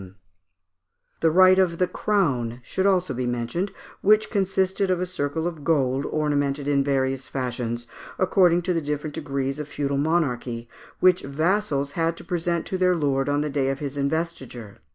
] The right of "the Crown" should also be mentioned, which consisted of a circle of gold ornamented in various fashions, according to the different degrees of feudal monarchy, which vassals had to present to their lord on the day of his investiture.